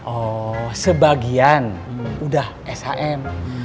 oh sebagian udah shm